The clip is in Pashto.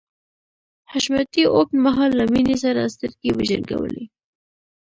حشمتي اوږد مهال له مينې سره سترګې وجنګولې.